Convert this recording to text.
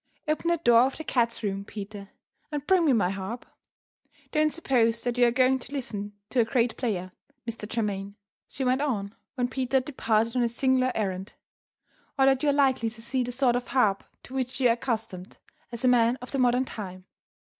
"Open the door of the cats' room, Peter; and bring me my harp. Don't suppose that you are going to listen to a great player, Mr. Germaine," she went on, when Peter had departed on his singular errand, "or that you are likely to see the sort of harp to which you are accustomed, as a man of the modern time.